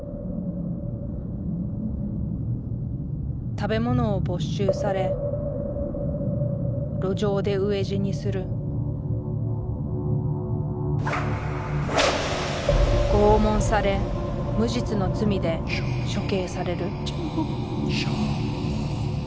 食べ物を没収され路上で飢え死にする拷問され無実の罪で処刑される